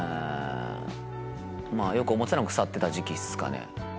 まぁよく思ってたのが腐ってた時期っすかね。